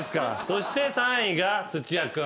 そして３位が土屋君。